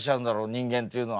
人間っていうのは。